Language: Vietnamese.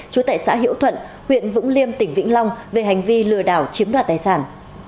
chú tại xã hiễu thuận huyện vũng liêm tỉnh vĩnh long về hành vi lừa đảo chiếm đoạt tài sản